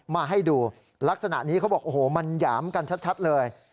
มาให้ดูลักษณะนี้เขาบอกโอ้โหมันหยามกันชัดเลย